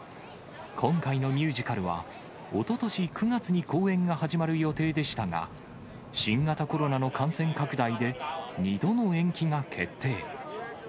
今回のミュージカルは、おととし９月に公演が始まる予定でしたが、新型コロナの感染拡大で、２度の延期が決定。